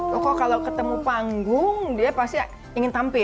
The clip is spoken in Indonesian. pokoknya kalau ketemu panggung dia pasti ingin tampil